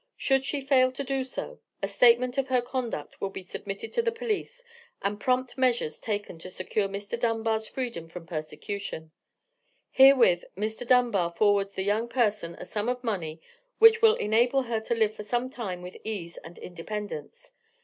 Should she fail to do so, a statement of her conduct will be submitted to the police, and prompt measures taken to secure Mr. Dunbar's freedom from persecution. Herewith Mr. Dunbar forwards the young person a sum of money which will enable her to live for some time with ease and independence.